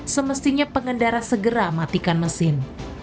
semestinya pengendara segera matikan mesin